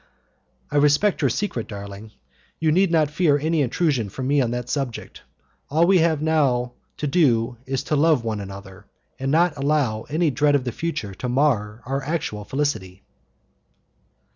"I respect your secret, darling; you need not fear any intrusion from me on that subject. All we have to do is to love one another, and not to allow any dread of the future to mar our actual felicity."